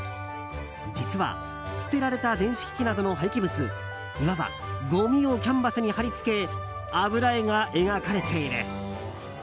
実は捨てられた電子機器などの廃棄物いわば、ごみをキャンバスに貼り付け油絵が描かれている。